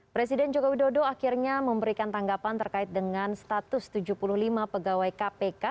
presiden jokowi dodo akhirnya memberikan tanggapan terkait dengan status tujuh puluh lima pegawai kpk